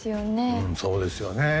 うんそうですよね